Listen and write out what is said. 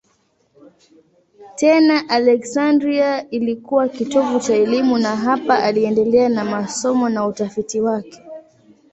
Tena Aleksandria ilikuwa kitovu cha elimu na hapa aliendelea na masomo na utafiti wake.